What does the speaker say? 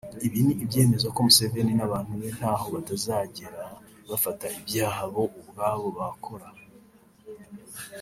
Ibi ni ibyemeza ko Museveni n’abantu be ntaho batazagera bafata ibyaha bo ubwabo bakora